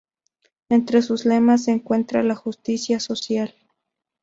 Entre sus lemas se encuentra la "Justicia Social".